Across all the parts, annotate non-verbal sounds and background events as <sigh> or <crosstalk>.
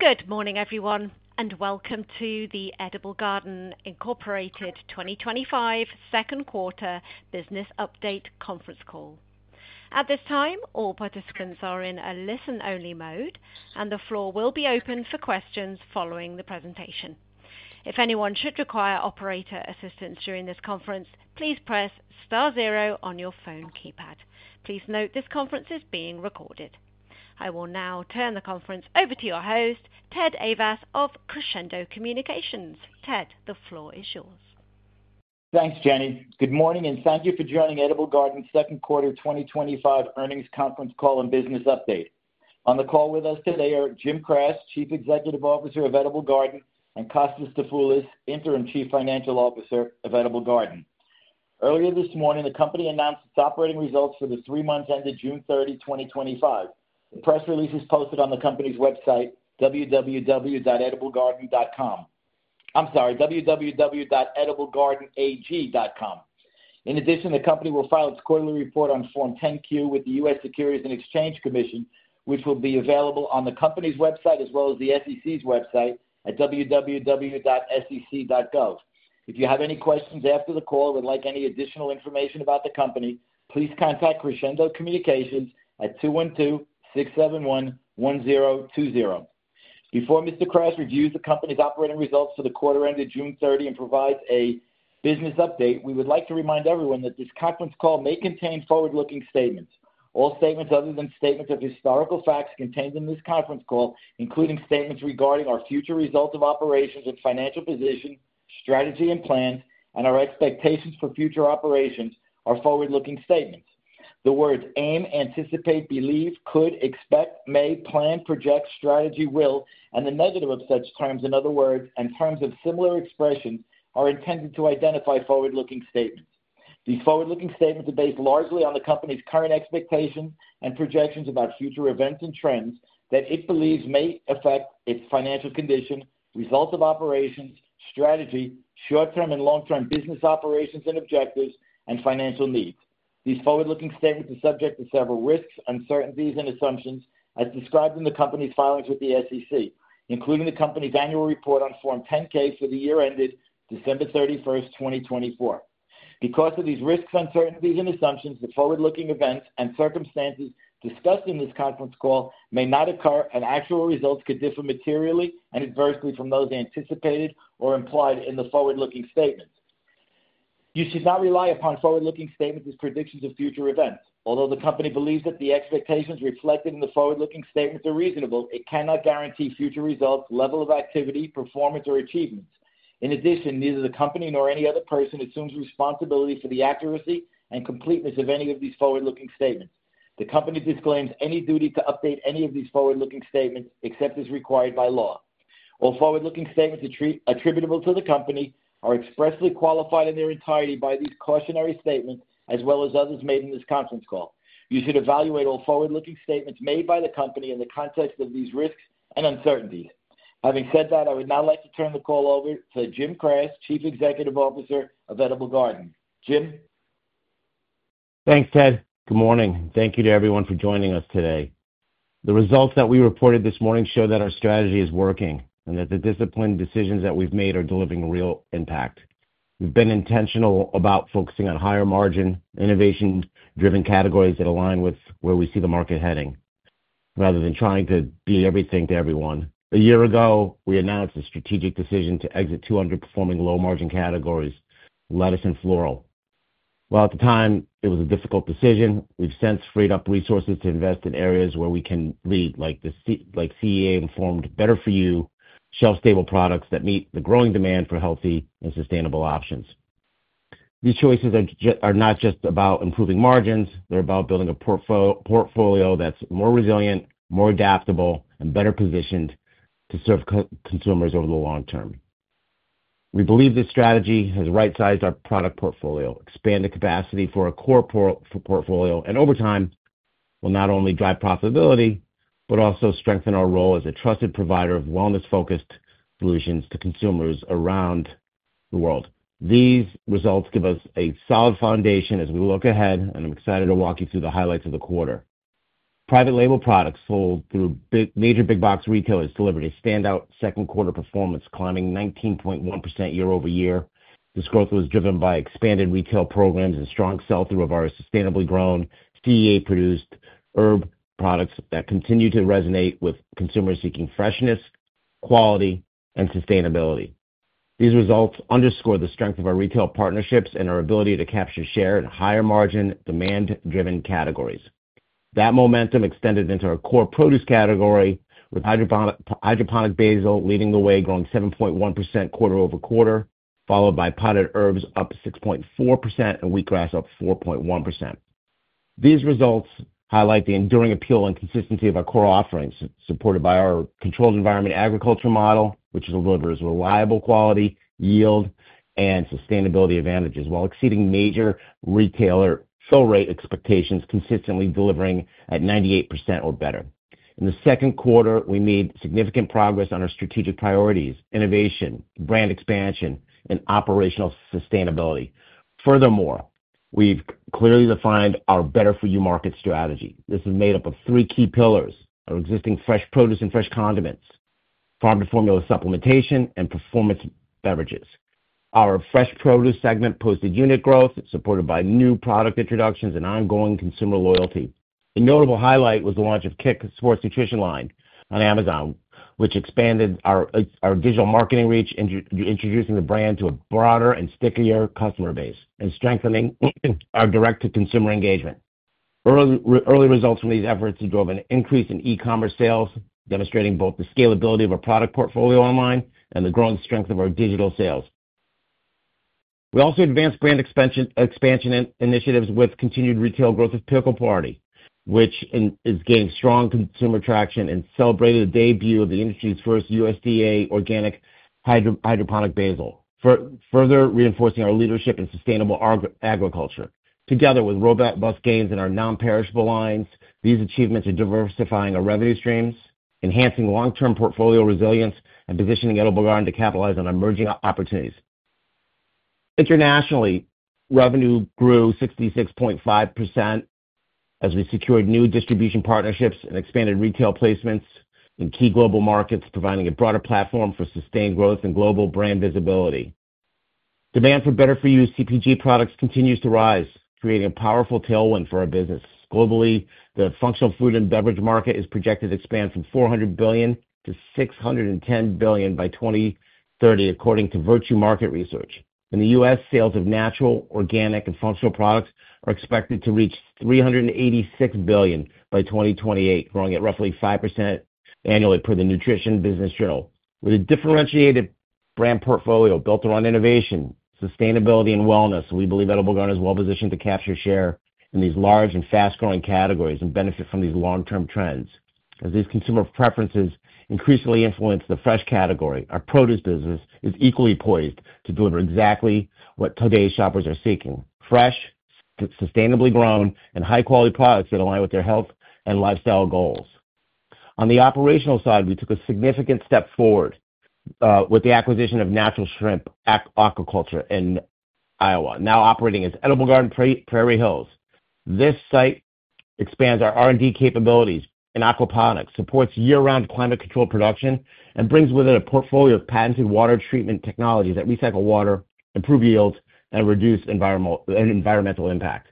Good morning, everyone, and welcome to the Edible Garden AG Incorporated 2025 Second Quarter Business Update Conference Call. At this time, all participants are in a listen-only mode, and the floor will be open for questions following the presentation. If anyone should require operator assistance during this conference, please press star zero on your phone keypad. Please note this conference is being recorded. I will now turn the conference over to your host, Ted Ayvas of Crescendo Communications. Ted, the floor is yours. Thanks, Jenny. Good morning, and thank you for joining Edible Garden's Second Quarter 2025 Earnings Conference Call and Business Update. On the call with us today are Jim Kras, Chief Executive Officer of Edible Garden, and Kostas Dafoulas, Interim Chief Financial Officer of Edible Garden. Earlier this morning, the company announced its operating results for the three months ended June 30, 2025. The press release is posted on the company's website, www.ediblegardenag.com. In addition, the company will file its quarterly report on Form 10-Q with the U.S. Securities and Exchange Commission, which will be available on the company's website as well as the SEC's website at www.sec.gov. If you have any questions after the call or would like any additional information about the company, please contact Crescendo Communications at 212-671-1020. Before Mr. Kras reviews the company's operating results for the quarter ended June 30 and provides a business update, we would like to remind everyone that this conference call may contain forward-looking statements. All statements other than statements of historical facts contained in this conference call, including statements regarding our future results of operations and financial position, strategy and plans, and our expectations for future operations, are forward-looking statements. The words aim, anticipate, believe, could, expect, may, plan, project, strategy, will, and the negative of such terms, in other words, and terms of similar expression, are intended to identify forward-looking statements. These forward-looking statements are based largely on the company's current expectations and projections about future events and trends that it believes may affect its financial condition, results of operations, strategy, short-term and long-term business operations and objectives, and financial needs. These forward-looking statements are subject to several risks, uncertainties, and assumptions, as described in the company's filings with the SEC, including the company's annual report on Form 10-K for the year ended December 31, 2024. Because of these risks, uncertainties, and assumptions, the forward-looking events and circumstances discussed in this conference call may not occur, and actual results could differ materially and adversely from those anticipated or implied in the forward-looking statements. You should not rely upon forward-looking statements as predictions of future events. Although the company believes that the expectations reflected in the forward-looking statements are reasonable, it cannot guarantee future results, level of activity, performance, or achievements. In addition, neither the company nor any other person assumes responsibility for the accuracy and completeness of any of these forward-looking statements. The company disclaims any duty to update any of these forward-looking statements except as required by law. All forward-looking statements attributable to the company are expressly qualified in their entirety by these cautionary statements, as well as others made in this conference call. You should evaluate all forward-looking statements made by the company in the context of these risks and uncertainties. Having said that, I would now like to turn the call over to Jim Kras, Chief Executive Officer of Edible Garden. Jim? Thanks, Ted. Good morning, and thank you to everyone for joining us today. The results that we reported this morning show that our strategy is working and that the disciplined decisions that we've made are delivering real impact. We've been intentional about focusing on higher margin, innovation-driven categories that align with where we see the market heading, rather than trying to be everything to everyone. A year ago, we announced a strategic decision to exit two underperforming low-margin categories, lettuce and floral. While at the time it was a difficult decision, we've since freed up resources to invest in areas where we can lead like CEA-informed better-for-you shelf-stable products that meet the growing demand for healthy and sustainable options. These choices are not just about improving margins, they're about building a portfolio that's more resilient, more adaptable, and better positioned to serve consumers over the long term. We believe this strategy has right-sized our product portfolio, expanded capacity for a core portfolio, and over time will not only drive profitability but also strengthen our role as a trusted provider of wellness-focused solutions to consumers around the world. These results give us a solid foundation as we look ahead, and I'm excited to walk you through the highlights of the quarter. Private label products sold through major big-box retailers delivered a standout second quarter performance, climbing 19.1% year-over-year. This growth was driven by expanded retail programs and strong sell-through of our sustainably grown CEA-produced herb products that continue to resonate with consumers seeking freshness, quality, and sustainability. These results underscore the strength of our retail partnerships and our ability to capture share in higher margin, demand-driven categories. That momentum extended into our core produce category, with hydroponic basil leading the way, growing 7.1% quarter-over-quarter, followed by potted herbs up 6.4% and wheatgrass up 4.1%. These results highlight the enduring appeal and consistency of our core offerings, supported by our controlled environment agriculture model, which delivers reliable quality, yield, and sustainability advantages while exceeding major retailer sell-rate expectations, consistently delivering at 98% or better. In the second quarter, we made significant progress on our strategic priorities, innovation, brand expansion, and operational sustainability. Furthermore, we've clearly defined our better-for-you market strategy. This is made up of three key pillars – our existing fresh produce and fresh condiments, farm-to-formula supplementation, and performance beverages. Our fresh produce segment posted unit growth, supported by new product introductions and ongoing consumer loyalty. A notable highlight was the launch of Kick Sports Nutrition line on Amazon, which expanded our digital marketing reach, introducing the brand to a broader and stickier customer base and strengthening our direct-to-consumer engagement. Early results from these efforts drove an increase in e-commerce sales, demonstrating both the scalability of our product portfolio online and the growing strength of our digital sales. We also advanced brand expansion initiatives with continued retail growth with Pickle Party, which is getting strong consumer traction and celebrated the debut of the industry's first USDA organic hydroponic basil, further reinforcing our leadership in sustainable agriculture. Together with robust gains in our non-perishable lines, these achievements are diversifying our revenue streams, enhancing long-term portfolio resilience, and [de-visioning] Edible Garden to capitalize on emerging opportunities. Internationally, revenue grew 66.5% as we secured new distribution partnerships and expanded retail placements in key global markets, providing a broader platform for sustained growth and global brand visibility. Demand for better-for-you CPG products continues to rise, creating a powerful tailwind for our business. Globally, the functional food and beverage market is projected to expand from $400 billion-$610 billion by 2030, according to Virtue Market Research. In the U.S., sales of natural, organic, and functional products are expected to reach $386 billion by 2028, growing at roughly 5% annually, per the Nutrition Business Journal. With a differentiated brand portfolio built around innovation, sustainability, and wellness, we believe Edible Garden is well-positioned to capture share in these large and fast-growing categories and benefit from these long-term trends. As these consumer preferences increasingly influence the fresh category, our produce business is equally poised to deliver exactly what today's shoppers are seeking – fresh, sustainably grown, and high-quality products that align with their health and lifestyle goals. On the operational side, we took a significant step forward with the acquisition of Natural Shrimp Aquaculture in Iowa, now operating as Edible Garden Prairie Hills. This site expands our R&D capabilities in aquaponics, supports year-round climate control production, and brings with it a portfolio of patented water treatment technologies that recycle water, improve yields, and reduce environmental impact.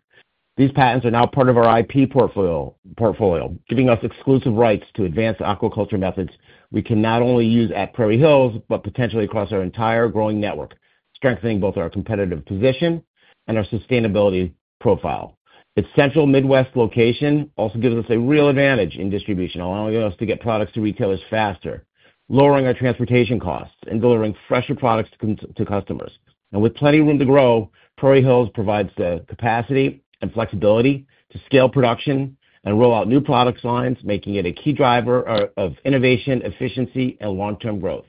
These patents are now part of our IP portfolio, giving us exclusive rights to advanced aquaculture methods we can not only use at Prairie Hills but potentially across our entire growing network, strengthening both our competitive position and our sustainability profile. Its central Midwest location also gives us a real advantage in distribution, allowing us to get products to retailers faster, lowering our transportation costs, and delivering fresher products to customers. With plenty of room to grow, Prairie Hills provides the capacity and flexibility to scale production and roll out new product lines, making it a key driver of innovation, efficiency, and long-term growth.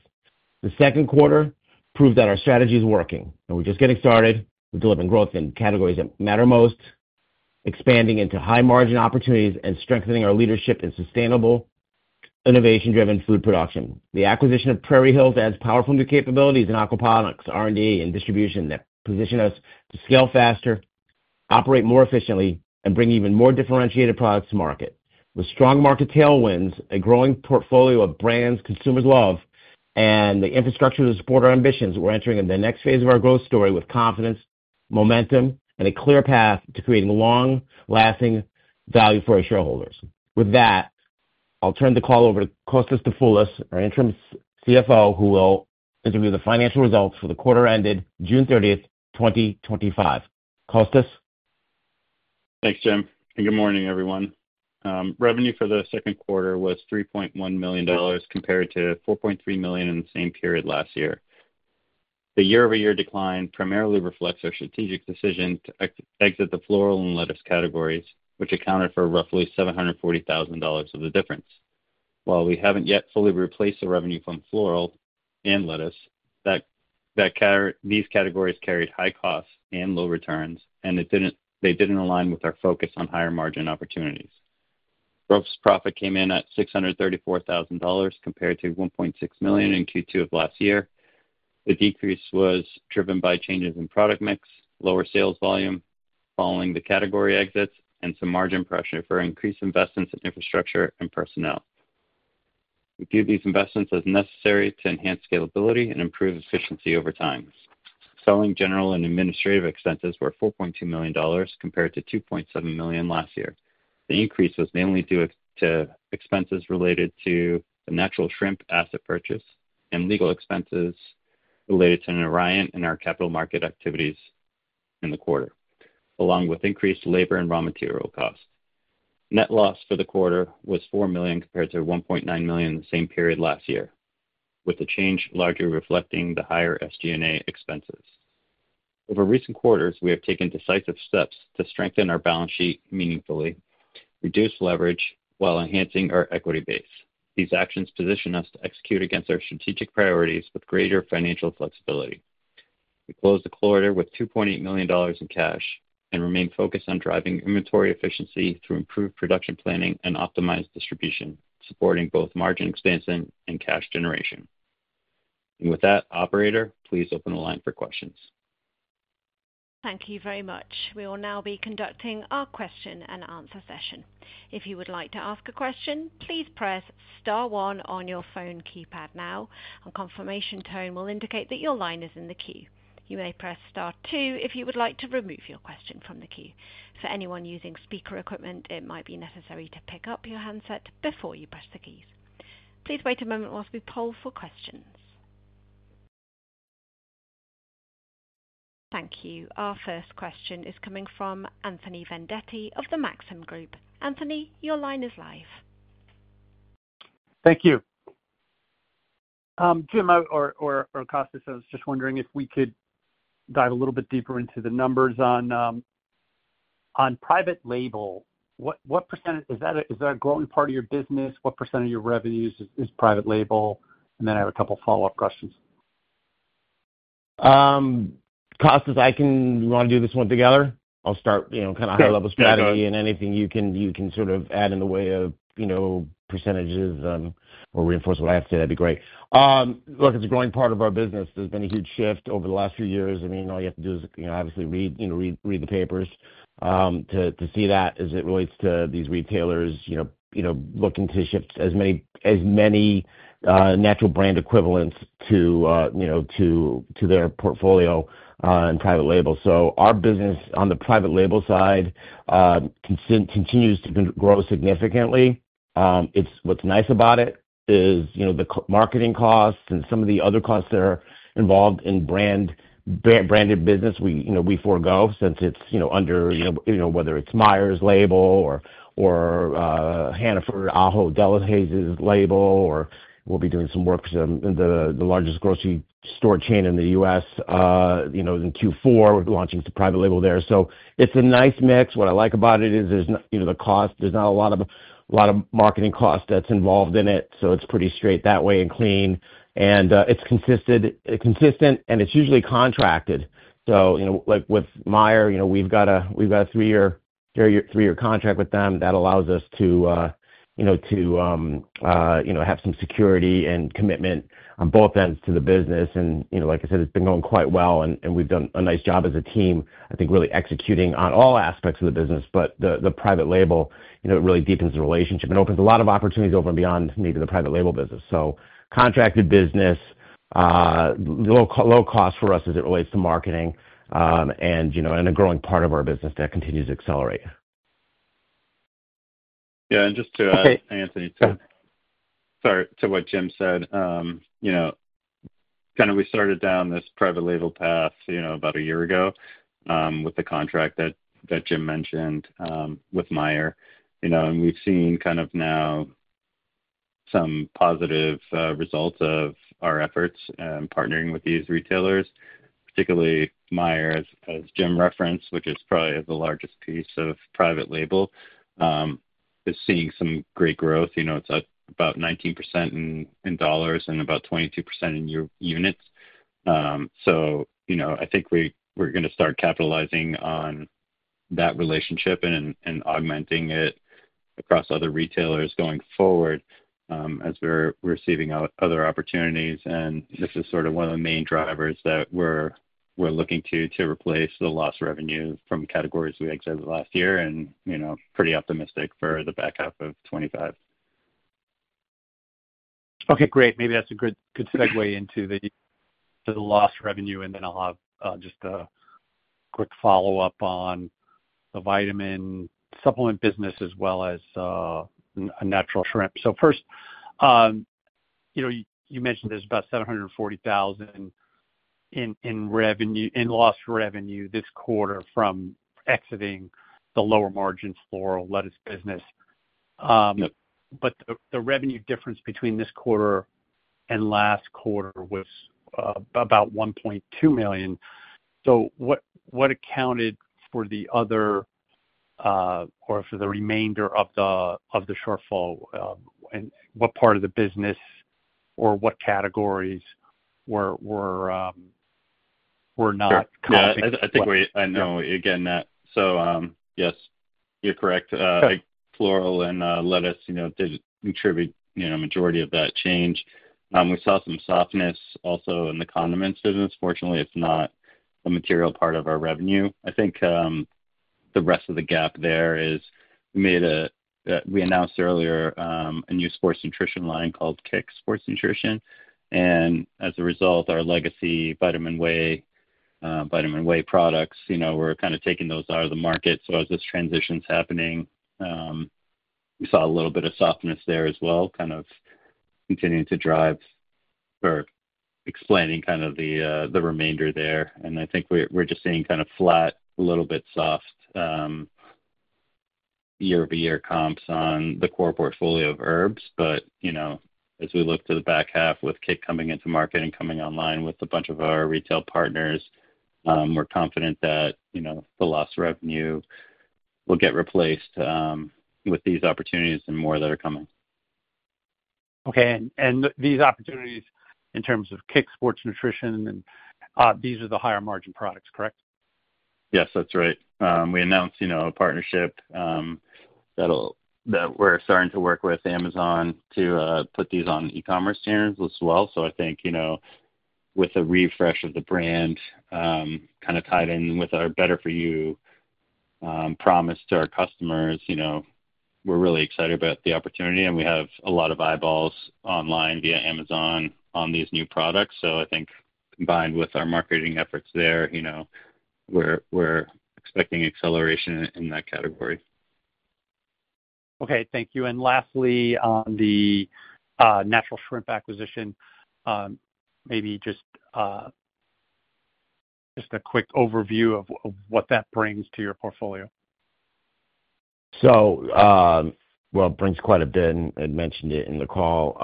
The second quarter proved that our strategy is working, and we're just getting started with delivering growth in categories that matter most, expanding into high-margin opportunities, and strengthening our leadership in sustainable, innovation-driven food production. The acquisition of Prairie Hills adds powerful new capabilities in aquaponics, R&D, and distribution that position us to scale faster, operate more efficiently, and bring even more differentiated products to market. With strong market tailwinds, a growing portfolio of brands consumers love, and the infrastructure to support our ambitions, we're entering the next phase of our growth story with confidence, momentum, and a clear path to creating long-lasting value for our shareholders. With that, I'll turn the call over to Kostas Dafoulas, our Interim CFO, who will review the financial results for the quarter ended June 30, 2025. Kostas? Thanks, Jim. Good morning, everyone. Revenue for the second quarter was $3.1 million compared to $4.3 million in the same period last year. The year-over-year decline primarily reflects our strategic decision to exit the floral and lettuce categories, which accounted for roughly $740,000 of the difference. While we haven't yet fully replaced the revenue from floral and lettuce, these categories carried high costs and low returns, and they didn't align with our focus on higher margin opportunities. Gross profit came in at $634,000 compared to $1.6 million in Q2 of last year. The decrease was driven by changes in product mix, lower sales volume following the category exits, and some margin pressure from increased investments in infrastructure and personnel. We viewed these investments as necessary to enhance scalability and improve efficiency over time. Selling, general, and administrative expenses were $4.2 million compared to $2.7 million last year. The increase was mainly due to expenses related to the Natural Shrimp asset purchase and legal expenses related to an arrival in our capital market activities in the quarter, along with increased labor and raw material costs. Net loss for the quarter was $4 million compared to $1.9 million in the same period last year, with the change largely reflecting the higher SG&A expenses. Over recent quarters, we have taken decisive steps to strengthen our balance sheet meaningfully and reduce leverage while enhancing our equity base. These actions position us to execute against our strategic priorities with greater financial flexibility. We closed the quarter with $2.8 million in cash and remain focused on driving inventory efficiency through improved production planning and optimized distribution, supporting both margin expansion and cash generation. With that, operator, please open the line for questions. Thank you very much. We will now be conducting our question and answer session. If you would like to ask a question, please press star one on your phone keypad now, and a confirmation tone will indicate that your line is in the queue. You may press star two if you would like to remove your question from the queue. For anyone using speaker equipment, it might be necessary to pick up your handset before you press the keys. Please wait a moment while we poll for questions. Thank you. Our first question is coming from Anthony Vendetti of the Maxim Group. Anthony, your line is live. Thank you. Jim, or Kostas, I was just wondering if we could dive a little bit deeper into the numbers on private label. What % is that a growing part of your business? What % of your revenues is private label? I have a couple of follow-up questions. Kostas, do you want to do this one together? I'll start, kind of high-level strategy, and anything you can add in the way of percentages or reinforce what I have to say, that'd be great. Look, it's a growing part of our business. There's been a huge shift over the last few years. I mean, all you have to do is read the papers to see that as it relates to these retailers looking to shift as many natural brand equivalents to their portfolio in private label. Our business on the private label side continues to grow significantly. What's nice about it is the marketing costs and some of the other costs that are involved in branded business, we forego since it's under, whether it's Meijer's label or Hannaford Ahold Delhaize's label, or we'll be doing some work for the largest grocery store chain in the U.S. in Q4. We're launching to private label there. It's a nice mix. What I like about it is the cost. There's not a lot of marketing cost that's involved in it. It's pretty straight that way and clean. It's consistent, and it's usually contracted. Like with Meijer, we've got a three-year contract with them that allows us to have some security and commitment on both ends to the business. Like I said, it's been going quite well, and we've done a nice job as a team, I think, really executing on all aspects of the business. The private label really deepens the relationship and opens a lot of opportunities beyond maybe the private label business. Contracted business, low cost for us as it relates to marketing, and a growing part of our business that continues to accelerate. Yeah, and just to add, Anthony, <crosstalk> to what Jim said, we started down this private label path about a year ago with the contract that Jim mentioned with Meijer. We've seen now some positive results of our efforts in partnering with these retailers, particularly Meijer, as Jim referenced, which is probably the largest piece of private label, is seeing some great growth. It's about 19% in dollars and about 22% in units. I think we're going to start capitalizing on that relationship and augmenting it across other retailers going forward as we're receiving other opportunities. This is sort of one of the main drivers that we're looking to replace the lost revenue from categories we exited last year, and pretty optimistic for the back half of 2025. Okay, great. Maybe that's a good segue into the lost revenue, and then I'll have just a quick follow-up on the vitamin supplement business as well as Natural Shrimp. First, you mentioned there's about $740,000 in lost revenue this quarter from exiting the lower margin floral lettuce business. The revenue difference between this quarter and last quarter was about $1.2 million. What accounted for the other or for the remainder of the shortfall, and what part of the business or what categories were not? Yes, you're correct. Floral and lettuce did contribute a majority of that change. We saw some softness also in the condiments business. Fortunately, it's not a material part of our revenue. I think the rest of the gap there is we announced earlier a new sports nutrition line called Kick Sports Nutrition. As a result, our legacy Vitamin Whey products, you know, we're kind of taking those out of the market. As this transition's happening, we saw a little bit of softness there as well, kind of continuing to drive or explaining kind of the remainder there. I think we're just seeing kind of flat, a little bit soft year-over-year comps on the core portfolio of herbs. As we look to the back half with Kick coming into market and coming online with a bunch of our retail partners, we're confident that the lost revenue will get replaced with these opportunities and more that are coming. Okay, these opportunities in terms of Kick Sports Nutrition, these are the higher margin products, correct? Yes, that's right. We announced a partnership that we're starting to work with Amazon to put these on e-commerce channels as well. I think with a refresh of the brand kind of tied in with our better-for-you promise to our customers, we're really excited about the opportunity, and we have a lot of eyeballs online via Amazon on these new products. I think combined with our marketing efforts there, we're expecting acceleration in that category. Okay, thank you. Lastly, on the Natural Shrimp acquisition, maybe just a quick overview of what that brings to your portfolio? It brings quite a bit. I mentioned it in the call.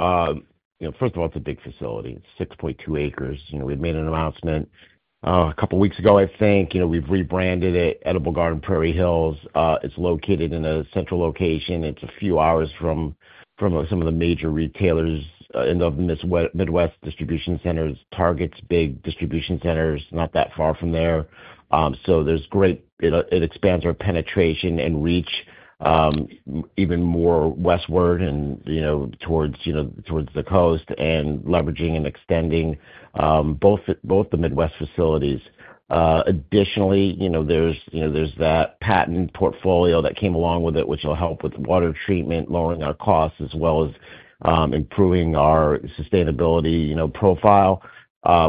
First of all, it's a big facility. It's 6.2 acres. We made an announcement a couple of weeks ago, I think. We've rebranded it Edible Garden Prairie Hills. It's located in a central location. It's a few hours from some of the major retailers in the Midwest distribution centers. Target's big distribution centers are not that far from there. There's great, it expands our penetration and reach even more westward and towards the coast and leveraging and extending both the Midwest facilities. Additionally, there's that patent portfolio that came along with it, which will help with water treatment, lowering our costs, as well as improving our sustainability profile.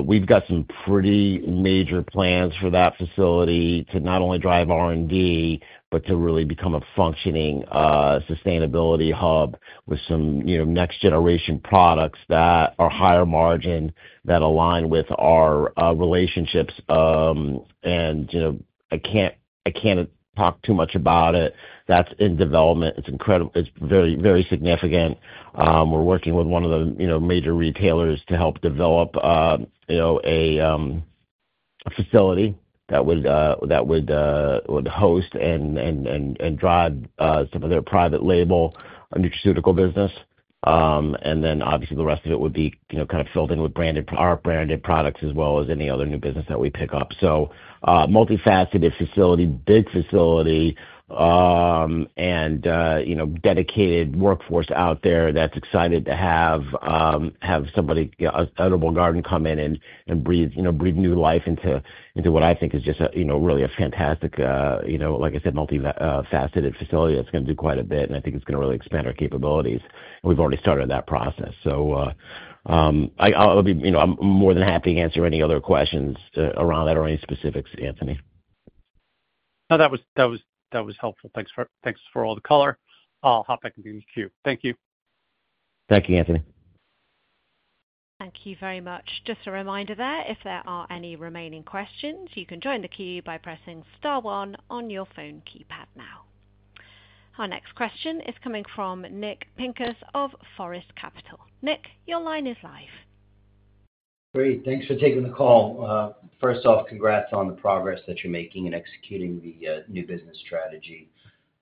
We've got some pretty major plans for that facility to not only drive R&D but to really become a functioning sustainability hub with some next-generation products that are higher margin, that align with our relationships. I can't talk too much about it. That's in development. It's incredible. It's very, very significant. We're working with one of the major retailers to help develop a facility that would host and drive some of their private label nutraceutical business. Obviously, the rest of it would be filled in with our branded products as well as any other new business that we pick up. Multifaceted facility, big facility, and dedicated workforce out there that's excited to have somebody at Edible Garden come in and breathe new life into what I think is just really a fantastic, like I said, multifaceted facility that's going to do quite a bit, and I think it's going to really expand our capabilities. We've already started that process. I'm more than happy to answer any other questions around that or any specifics, Anthony. No, that was helpful. Thanks for all the color. I'll hop back into the queue. Thank you. Thank you, Anthony. Thank you very much. Just a reminder, if there are any remaining questions, you can join the queue by pressing *1 on your phone keypad now. Our next question is coming from Nick Pincus of Forest Capital. Nick, your line is live. Great. Thanks for taking the call. First off, congrats on the progress that you're making in executing the new business strategy.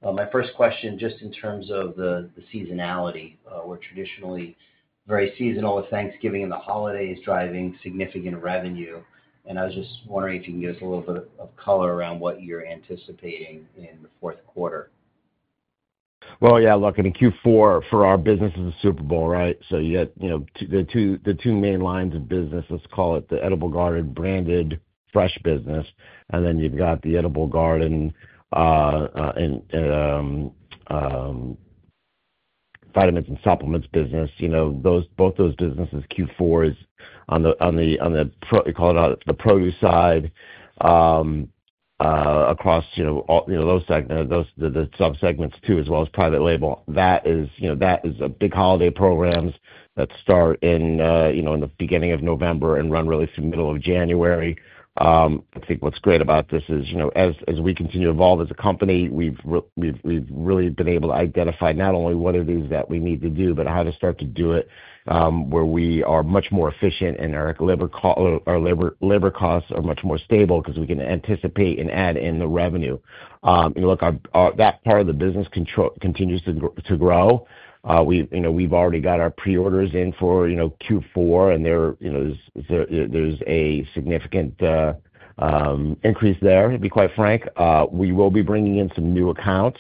My first question, just in terms of the seasonality, we're traditionally very seasonal with Thanksgiving and the holidays driving significant revenue. I was just wondering if you can give us a little bit of color around what you're anticipating in the fourth quarter. In Q4 for our business is the Super Bowl, right? You got the two main lines of business, let's call it the Edible Garden branded fresh business, and then you've got the Edible Garden vitamins and supplements business. Both those businesses, Q4 is on the, you call it the produce side across those segments, those sub-segments too, as well as private label. That is a big holiday programs that start in the beginning of November and run really through the middle of January. I think what's great about this is, as we continue to evolve as a company, we've really been able to identify not only what it is that we need to do, but how to start to do it where we are much more efficient and our labor costs are much more stable because we can anticipate and add in the revenue. That part of the business continues to grow. We've already got our pre-orders in for Q4, and there's a significant increase there, to be quite frank. We will be bringing in some new accounts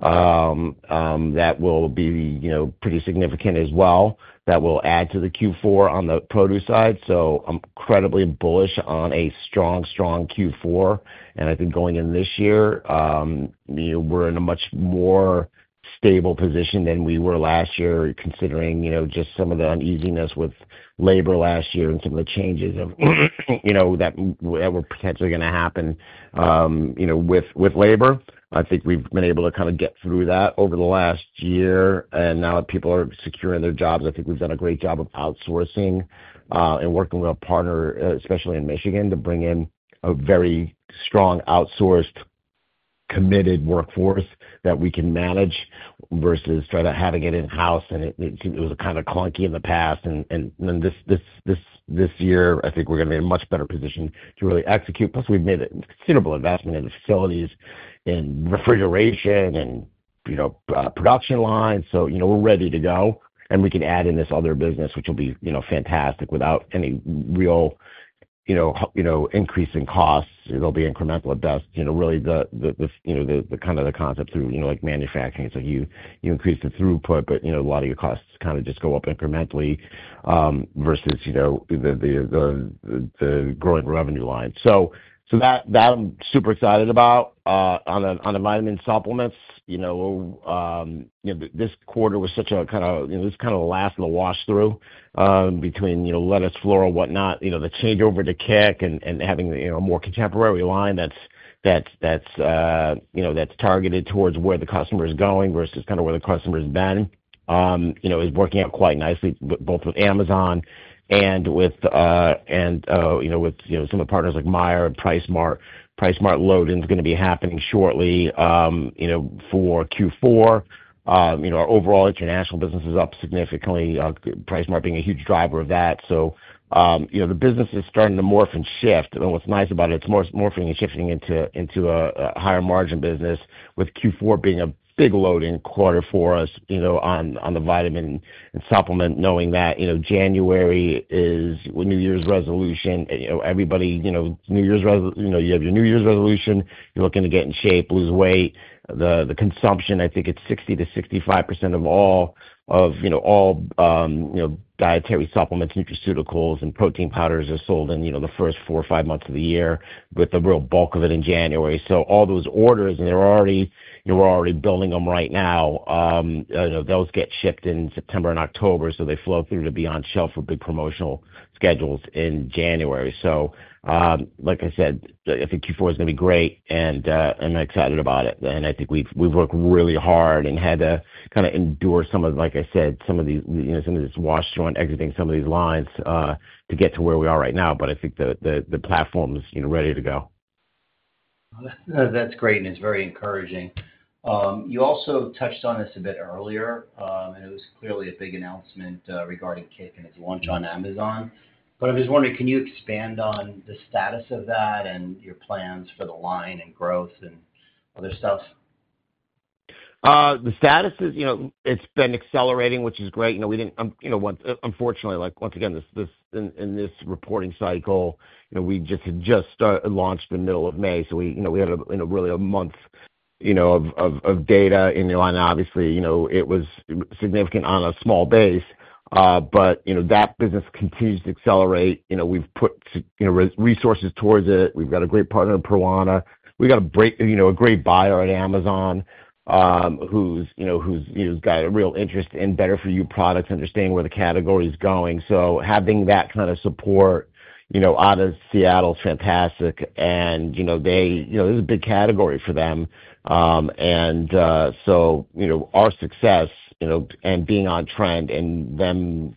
that will be pretty significant as well that will add to the Q4 on the produce side. I'm incredibly bullish on a strong, strong Q4. I think going in this year, we're in a much more stable position than we were last year considering just some of the uneasiness with labor last year and some of the changes that were potentially going to happen with labor. I think we've been able to kind of get through that over the last year. Now that people are securing their jobs, I think we've done a great job of outsourcing and working with a partner, especially in Michigan, to bring in a very strong outsourced, committed workforce that we can manage versus sort of having it in-house. It was kind of clunky in the past. This year, I think we're going to be in a much better position to really execute. Plus, we've made a considerable investment in the facilities and refrigeration and production lines. We're ready to go, and we can add in this other business, which will be fantastic without any real increase in costs. It'll be incremental, but that's really the kind of the concept through like manufacturing. You increase the throughput, but a lot of your costs kind of just go up incrementally versus the growing revenue line. I'm super excited about that. On the vitamin supplements, this quarter was such a kind of, you know, this kind of lasted the wash-through between lettuce, floral, whatnot, the changeover to Kick and having a more contemporary line that's targeted towards where the customer is going versus kind of where the customer's been, is working out quite nicely both with Amazon and with some of the partners like Meijer and Pricemart. Pricemart load-in is going to be happening shortly for Q4. Our overall international business is up significantly, Pricemart being a huge driver of that. The business is starting to morph and shift. What's nice about it, it's morphing and shifting into a higher margin business with Q4 being a big load-in quarter for us on the vitamin and supplement, knowing that January is New Year's resolution. Everybody, New Year's, you have your New Year's resolution. You're looking to get in shape, lose weight. The consumption, I think it's 60%-65% of all dietary supplements, nutraceuticals, and protein powders are sold in the first four or five months of the year, but the real bulk of it in January. All those orders, and they're already, we're already building them right now. Those get shipped in September and October, so they flow through to be on shelf for big promotional schedules in January. Like I said, I think Q4 is going to be great, and I'm excited about it. I think we've worked really hard and had to kind of endure some of, like I said, some of this wash-through on exiting some of these lines to get to where we are right now. I think the platform is ready to go. That's great, and it's very encouraging. You also touched on this a bit earlier, and it was clearly a big announcement regarding Kick, and its launch on Amazon. I was wondering, can you expand on the status of that and your plans for the line and growth and other stuff? The status is, you know, it's been accelerating, which is great. Unfortunately, like once again, in this reporting cycle, we just had just launched in the middle of May. We had a, you know, really a month of data in the line. Obviously, it was significant on a small base. That business continues to accelerate. We've put resources towards it. We've got a great partner in Pirawna. We got a great buyer on Amazon who's got a real interest in better-for-you products, understanding where the category is going. Having that kind of support, you know, out of Seattle, fantastic, and there's a big category for them. Our success, you know, and being on trend and them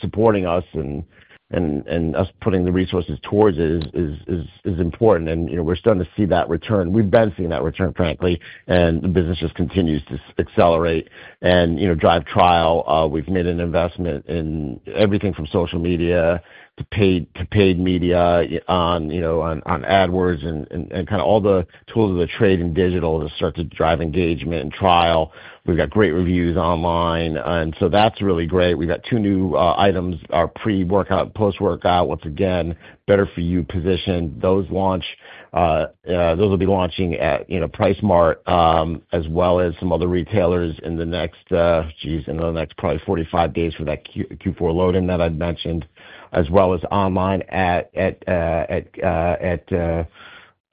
supporting us and us putting the resources towards it is important. We're starting to see that return. We've been seeing that return, frankly. The business just continues to accelerate and drive trial. We've made an investment in everything from social media to paid media on AdWords and kind of all the tools of the trade in digital to start to drive engagement and trial. We've got great reviews online, and so that's really great. We've got two new items, our pre-workout, post-workout, once again, better-for-you position. Those will be launching at, you know, Pricemart as well as some other retailers in the next, geez, in the next probably 45 days for that Q4 load-in that I mentioned, as well as online at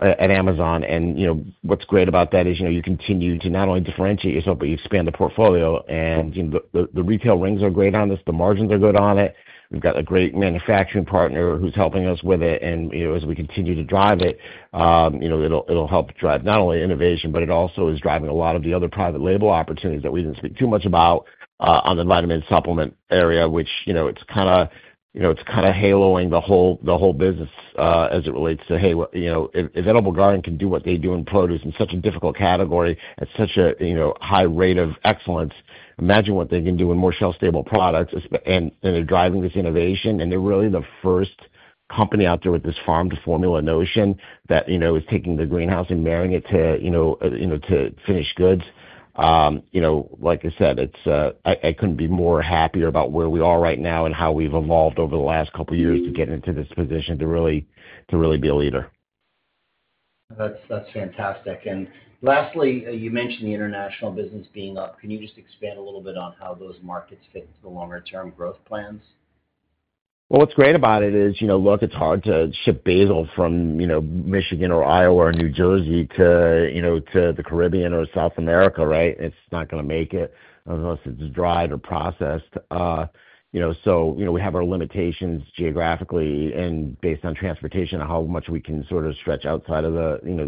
Amazon. What's great about that is you continue to not only differentiate yourself, but you expand the portfolio. The retail rings are great on this. The margins are good on it. We've got a great manufacturing partner who's helping us with it. As we continue to drive it, it'll help drive not only innovation, but it also is driving a lot of the other private label opportunities that we didn't speak too much about on the vitamin supplement area, which, you know, it's kind of haloing the whole business as it relates to, hey, you know, if Edible Garden can do what they do in produce in such a difficult category at such a high rate of excellence, imagine what they can do in more shelf-stable products. They're driving this innovation. They're really the first company out there with this farm-to-formula notion that is taking the greenhouse and marrying it to finished goods. Like I said, I couldn't be more happier about where we are right now and how we've evolved over the last couple of years to get into this position to really be a leader. That's fantastic. Lastly, you mentioned the international business being up. Can you just expand a little bit on how those markets fit into the longer-term growth plans? What's great about it is, you know, look, it's hard to ship basil from, you know, Michigan or Iowa or New Jersey to, you know, to the Caribbean or South America, right? It's not going to make it unless it's dried or processed. You know, we have our limitations geographically and based on transportation and how much we can sort of stretch outside of the, you know,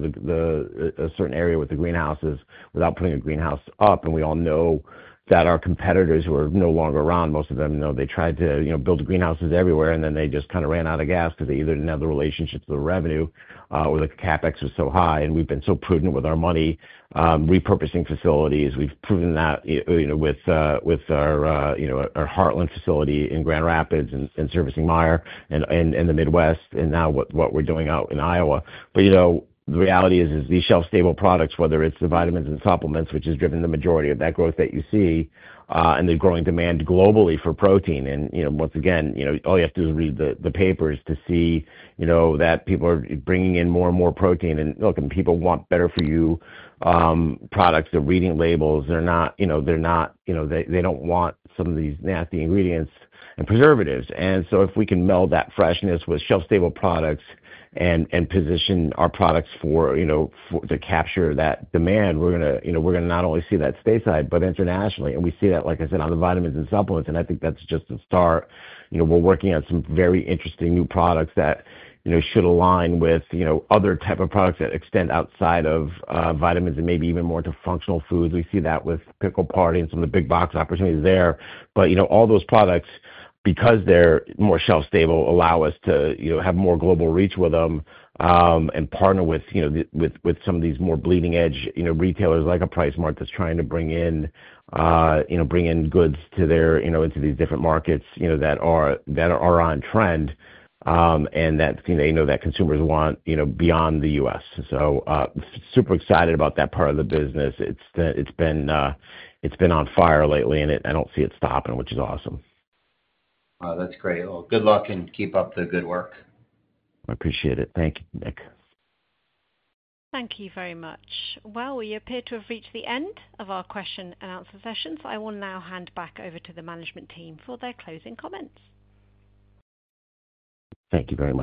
a certain area with the greenhouses without putting a greenhouse up. We all know that our competitors who are no longer around, most of them, they tried to, you know, build greenhouses everywhere, and then they just kind of ran out of gas because they either didn't have the relationships with the revenue or the CapEx was so high. We've been so prudent with our money, repurposing facilities. We've proven that with our, you know, our Heartland facility in Grand Rapids and servicing Meijer and the Midwest and now what we're doing out in Iowa. The reality is these shelf-stable products, whether it's the vitamins and supplements, which has driven the majority of that growth that you see, and the growing demand globally for protein. You know, once again, all you have to do is read the papers to see that people are bringing in more and more protein. Look, people want better-for-you products. They're reading labels. They're not, you know, they don't want some of these nasty ingredients and preservatives. If we can meld that freshness with shelf-stable products and position our products to capture that demand, we're going to, you know, we're going to not only see that stateside, but internationally. We see that, like I said, on the vitamins and supplements. I think that's just a start. We're working on some very interesting new products that should align with other types of products that extend outside of vitamins and maybe even more to functional foods. We see that with Pickle Party and some of the big-box opportunities there. All those products, because they're more shelf-stable, allow us to have more global reach with them, and partner with some of these more bleeding-edge retailers like a Pricemart that's trying to bring in goods to their, you know, into these different markets that are on trend, and that consumers want, you know, beyond the U.S. Super excited about that part of the business. It's been on fire lately, and I don't see it stopping, which is awesome. That's great. Good luck and keep up the good work. I appreciate it. Thank you, Nick. Thank you very much. We appear to have reached the end of our question and answer session. I will now hand back over to the management team for their closing comments. Thank you very much.